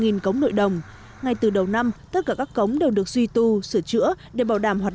nghìn cống nội đồng ngay từ đầu năm tất cả các cống đều được suy tu sửa chữa để bảo đảm hoạt